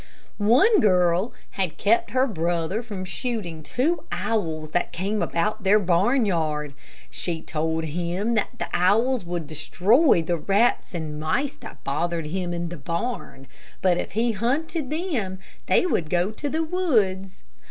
One girl had kept her brother from shooting two owls that came about their barnyard. She told him that the owls would destroy the rats and mice that bothered him in the barn, but if he hunted them, they would go to the woods.